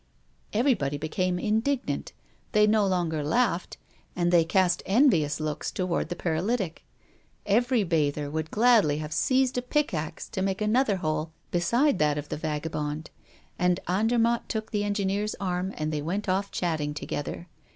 Everybody became indignant. They no longer laughed, and they cast envious looks toward the paralytic. Every bather would gladly have seized a pickax to make another hole beside that of the vagabond. But Andermatt took the engineer's arm, and they went off chatting together.